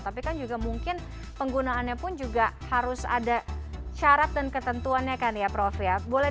tapi kan juga mungkin penggunaannya pun juga harus ada syarat dan ketentuannya kan ya prof ya